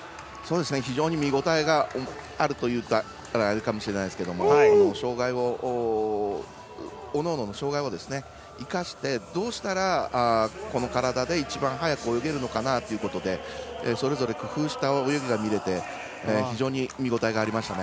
非常に見応えがあると言ったらあれかもしれないですけどおのおのの障がいを生かしてどうしたらこの体で一番速く泳げるのかなということでそれぞれ工夫した泳ぎが見られて非常に見応えがありましたね。